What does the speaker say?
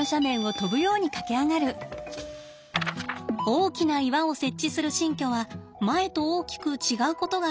大きな岩を設置する新居は前と大きく違うことがあります。